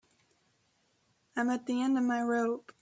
I'm at the end of my rope.